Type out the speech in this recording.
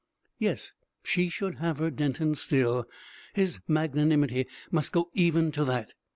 Yes she should have her Denton still. His magnanimity must go even to that.